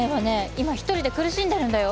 今一人で苦しんでるんだよ？